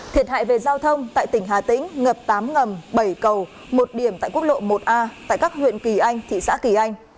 thiệt hại về giao thông tại tỉnh hà tĩnh ngập tám ngầm bảy cầu một điểm tại quốc lộ một a tại các huyện kỳ anh thị xã kỳ anh